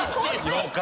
妖怪⁉